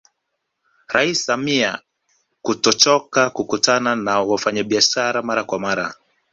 Rais Samia kutochoka kukutana na wafanyabiashara mara kwa mara